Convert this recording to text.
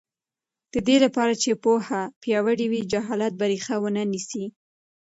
د دې لپاره چې پوهنه پیاوړې وي، جهالت به ریښه ونه نیسي.